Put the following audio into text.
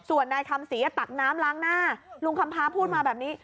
ส่วนนายคำศรีตักน้ำล้างหน้าลุงคำพาพูดมาแบบนี้